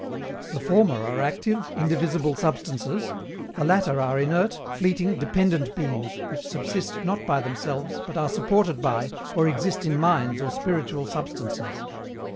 The former are active, indivisible substances: the latter are inert, fleeting, dependent beings, which subsist not by themselves, but are supported by, or exist in minds or spiritual substances.